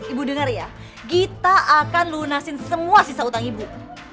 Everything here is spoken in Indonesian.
ibu dengar ya kita akan lunasin semua sisa utang ibu